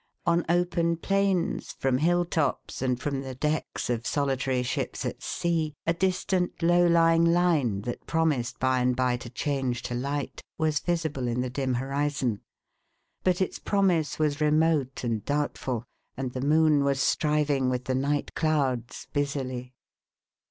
On open plains, from hill tops, and from the decks of soli tary ships at sea, a distant low lying line, that promised by and by to change to light, was visible in the dim horizon ; but its promise was remote and doubtful, and the moon was striving with the night clouds busily.